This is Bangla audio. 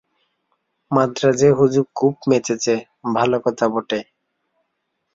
মান্দ্রাজে হুজুক খুব মেচেছে, ভাল কথা বটে।